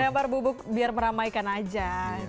lempar bubuk biar meramaikan aja